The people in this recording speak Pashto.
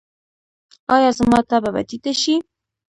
ایا زما تبه به ټیټه شي؟